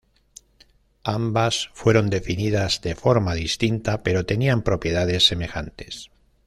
Ambas fueron definidas de forma distinta pero tenían propiedades semejantes.